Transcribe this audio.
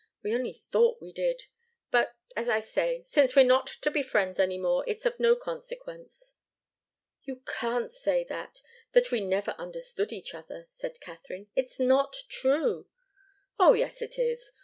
"We only thought we did. But as I say since we're not to be friends any more, it's of no consequence." "You can't say that that we never understood each other," said Katharine. "It's not true." "Oh yes, it is!